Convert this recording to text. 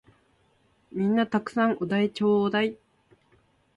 皆んな沢山お題ちょーだい！